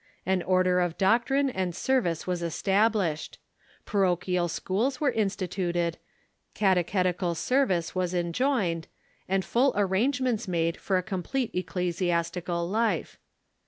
An order of doctrine and service was established. Parochial schools were instituted, catechetical service was enjoined, and full arrangements made for a complete ecclesi astical life.